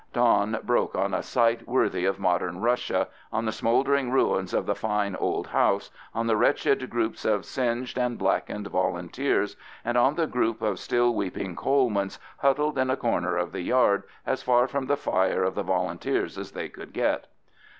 Dawn broke on a sight worthy of modern Russia, on the smouldering ruins of the fine old house, on the wretched groups of singed and blackened Volunteers, and on the group of still weeping Colemans huddled in a corner of the yard as far from the fire of the Volunteers as they could get.